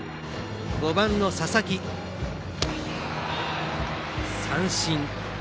５番の佐々木、三振。